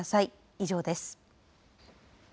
以上です。